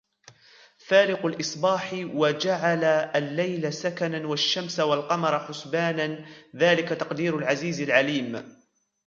فَالِقُ الْإِصْبَاحِ وَجَعَلَ اللَّيْلَ سَكَنًا وَالشَّمْسَ وَالْقَمَرَ حُسْبَانًا ذَلِكَ تَقْدِيرُ الْعَزِيزِ الْعَلِيمِ